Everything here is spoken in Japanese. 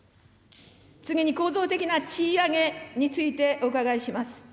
次に構造的な賃上げについてお伺いします。